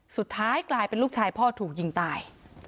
สุดท้ายกลายเป็นลูกชายพ่อถูกยิงตาย